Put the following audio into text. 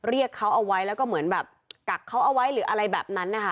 เรียกเขาเอาไว้แล้วก็เหมือนแบบกักเขาเอาไว้หรืออะไรแบบนั้นนะคะ